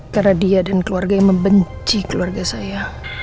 karena dia dan keluarga yang membenci keluarga saya